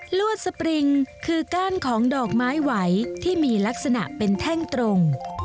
ลวดสปริงคือก้านของดอกไม้ไหวที่มีลักษณะเป็นแท่งตรง